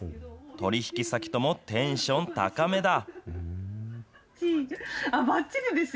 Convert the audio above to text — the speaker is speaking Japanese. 取り引き先ともテンション高めだ。